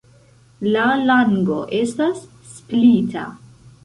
La lango estas splita.